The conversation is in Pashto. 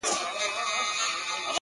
o هلته پاس چي په سپوږمـۍ كــي ـ